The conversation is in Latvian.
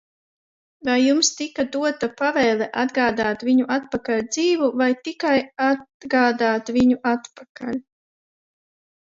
Vai jums tika dota pavēle atgādāt viņu atpakaļ dzīvu vai tikai atgādāt viņu atpakaļ?